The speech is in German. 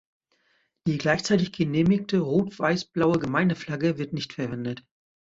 Die gleichzeitig genehmigte rot-weiß-blaue Gemeindeflagge wird nicht verwendet.